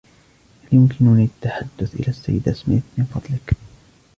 هل يمكنني التحدث إلى السيدة سميث ، من فضلك؟